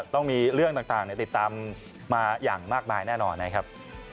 ต้องมีเรื่องต่างติดตามมาอย่างมากมายแน่นอนนะครับ